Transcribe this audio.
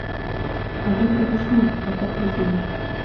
А добрага шмат у гэтых людзей.